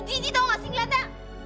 jiji tau gak sih ngeliatnya